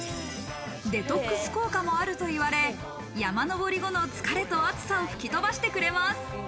デトックス効果もあるといわれ山登り後の疲れと暑さを吹き飛ばしてくれます。